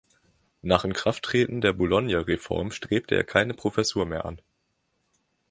Nach Inkrafttreten der Bologna-Reform strebte er keine Professur mehr an.